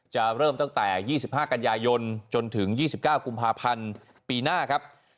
เริ่มตั้งแต่๒๕กันยายนจนถึง๒๙กุมภาพันธ์ปีหน้าครับ